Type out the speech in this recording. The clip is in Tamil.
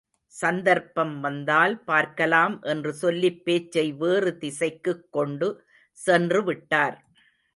சந்தர்ப்பம் வந்தால் பார்க்கலாம் என்று சொல்லிப் பேச்சை வேறு திசைக்குக் கொண்டு சென்று விட்டார்.